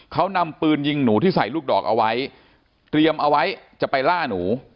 เขานำปืนยิงหนูที่ใส่ลูกดอกเอาไว้เตรียมเอาไว้จะไปล่าหนู